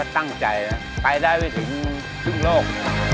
มันตั้งใจไปได้ไปถึงทุ่มโลก